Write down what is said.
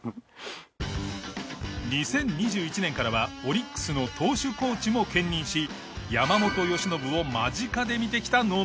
２０２１年からはオリックスの投手コーチも兼任し山本由伸を間近で見てきた能見。